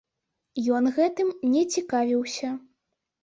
Ён гэтым не цікавіўся.